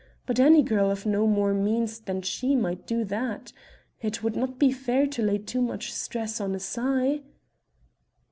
But any girl of no more means than she might do that. It would not be fair to lay too much stress on a sigh."